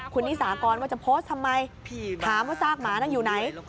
คุณนิสากรว่าจะโพสต์ทำไมถามว่าซากหมานั้นอยู่ไหน